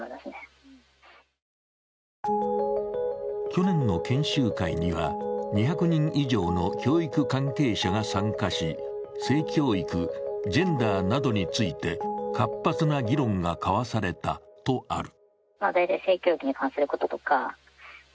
去年の研修会には２００人以上の教育関係者が参加し、性教育、ジェンダーなどについて、活発な議論が交わされたとある。